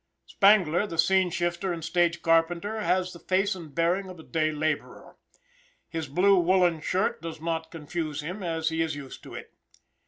Spangler, the scene shifter and stage carpenter, has the face and bearing of a day laborer. His blue woollen shirt does not confuse him, as he is used to it.